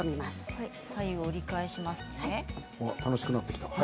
楽しくなってきた。